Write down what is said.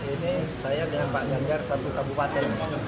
ini saya dengan pak ganjar satu kabupaten